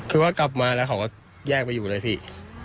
คือว่ากลับมาแล้วเขาก็แยกไปอยู่เลยพี่